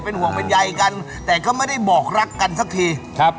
ห่วงเป็นใยกันแต่ก็ไม่ได้บอกรักกันสักทีครับ